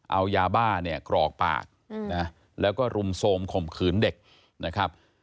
เอายาบ้ากรอกปากและรุมโทรมขมขืนเด็ก